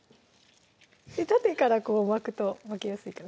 縦からこう巻くと巻きやすいかな